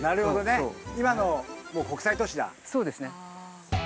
そうですね。